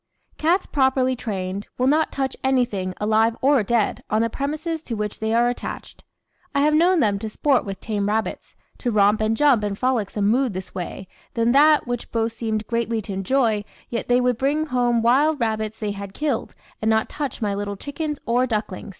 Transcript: Cats, properly trained, will not touch anything, alive or dead, on the premises to which they are attached. I have known them to sport with tame rabbits, to romp and jump in frolicsome mood this way, then that, which both seemed greatly to enjoy, yet they would bring home wild rabbits they had killed, and not touch my little chickens or ducklings.